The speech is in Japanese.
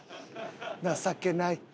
情けない。